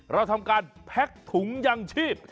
เราทำการแพ็กถุงยังชีพ